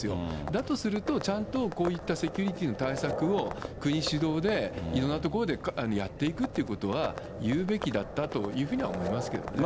だとすると、ちゃんとこういったセキュリティーの対策を、国主導でいろんなところでやっていくということは、言うべきだったというふうに思いますけどね。